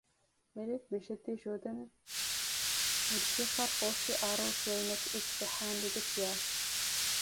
مِلك بِجدي جودن مِلكيخر خوشِ آرو سٌويمْكَ اِك جحان لدكيا